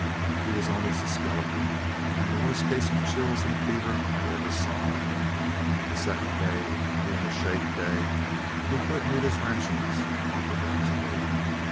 He was almost a skeleton, and the worst case of chills and fever I ever saw. The second day being a shake day, he couldn't eat his rations, and offered them to me.